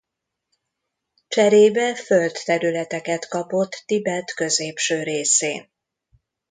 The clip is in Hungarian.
Cserébe földterületeket kapott Tibet középső részén.